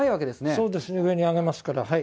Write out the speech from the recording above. そうです、上に揚げますから。